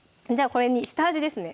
これに下味ですね